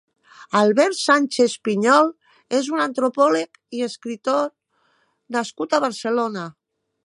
Albert Sánchez Piñol és un antropòleg i escriptor nascut a Barcelona.